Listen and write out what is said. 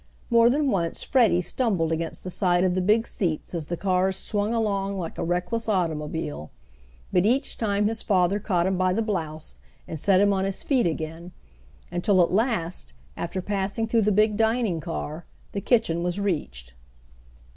More than once Freddie stumbled against the side of the big seats as the cars swung along like a reckless automobile, but each time his father caught him by the blouse and set him on his feet again, until at last, after passing through the big dining car, the kitchen was reached.